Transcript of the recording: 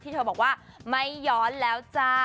เธอบอกว่าไม่ย้อนแล้วจ้า